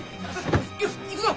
よし行くぞ。